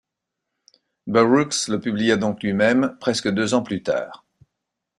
Burroughs le publia donc lui-même, presque deux ans plus tard.